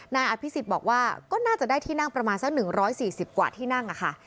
นายอภิษฎบอกว่าก็น่าจะได้ที่นั่งประมาณสัก๑๔๐กว่าที่นั่งอะค่ะ